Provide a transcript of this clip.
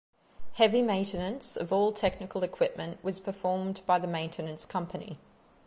Heavy maintenance of all technical equipment was performed by the Maintenance Company.